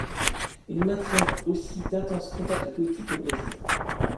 Il maintient aussi d’intenses contacts politiques au Brésil.